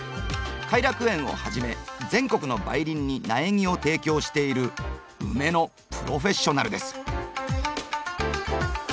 偕楽園をはじめ全国の梅林に苗木を提供しているウメのプロフェッショナルです。